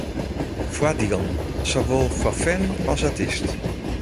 Foardielen, sawol foar fan as artyst.